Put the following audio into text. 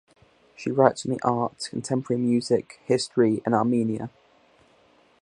She writes on the arts, contemporary music, history and Armenia.